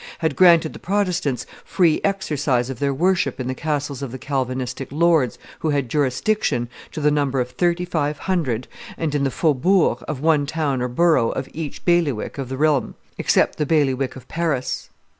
had granted the Protestants free exercise of their worship in the castles of the Calvinistic lords who had jurisdiction, to the number of thirty five hundred, and in the faubourgs of one town or borough of each bailiwick of the realm, except the bailiwick of Paris.